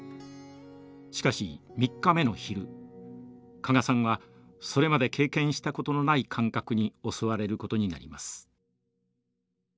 しかし３日目の昼加賀さんはそれまで経験したことのない感覚に襲われることになります。